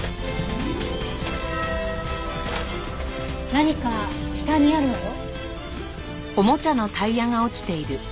何か下にあるわよ。